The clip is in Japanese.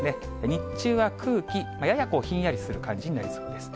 日中は空気、ややひんやりする感じになりそうです。